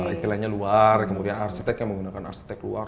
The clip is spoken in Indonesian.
istilahnya luar kemudian arsitek yang menggunakan arsitek luar